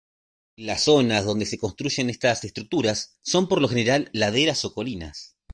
Las zonas donde se construyen estas estructuras son por lo general laderas o colinas.